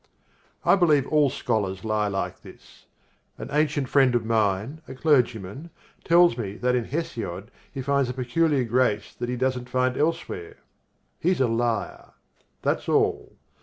I believe all scholars lie like this. An ancient friend of mine, a clergyman, tells me that in Hesiod he finds a peculiar grace that he doesn't find elsewhere. He's a liar. That's all.